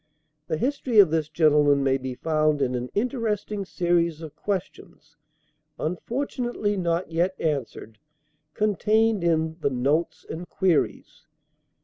The history of this gentleman may be found in an interesting series of questions (unfortunately not yet answered) contained in the "Notes and Queries."